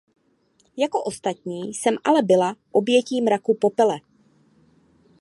Jako ostatní jsem ale byla obětí mraku popele.